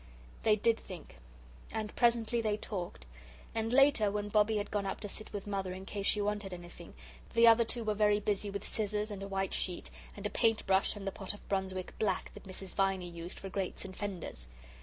They did think. And presently they talked. And later, when Bobbie had gone up to sit with Mother in case she wanted anything, the other two were very busy with scissors and a white sheet, and a paint brush, and the pot of Brunswick black that Mrs. Viney used for grates and fenders.